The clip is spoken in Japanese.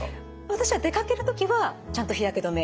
私は出かける時はちゃんと日焼け止め